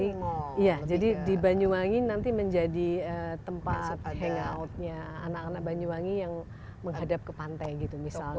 iya jadi di banyuwangi nanti menjadi tempat hangoutnya anak anak banyuwangi yang menghadap ke pantai gitu misalnya